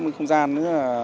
nó có một không gian